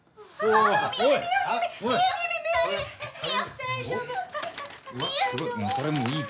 はい。